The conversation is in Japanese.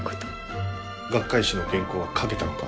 学会誌の原稿は書けたのか？